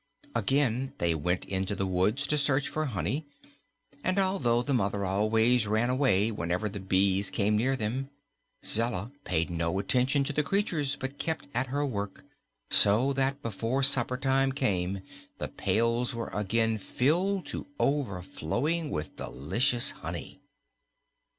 Again they went to the woods to search for honey, and although the mother always ran away whenever the bees came near them, Zella paid no attention to the creatures but kept at her work, so that before supper time came the pails were again filled to overflowing with delicious honey.